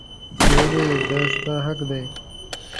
ویل یې دا ستا حق دی.